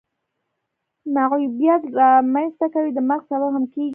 معیوبیت را منځ ته کوي د مرګ سبب هم کیږي.